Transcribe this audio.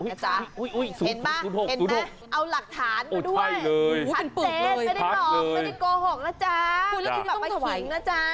เห็นมั้ยเอาหลักฐานมาด้วยไม่ได้หลอกไม่ได้โกหกนะจ๊ะ